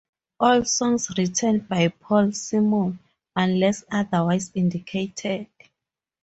All songs written by Paul Simon unless otherwise indicated.